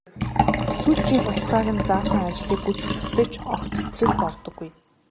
Сүүлчийн хугацааг нь заасан ажлыг гүйцэтгэхдээ ч огт стресст ордоггүй.